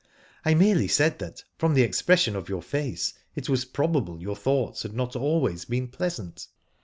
" I merely said that, from the expression of your face, it was probable your thoughts had not always been pleasant."